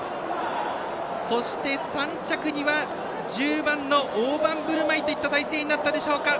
そして、３着には１０番オオバンブルマイといった態勢になったでしょうか。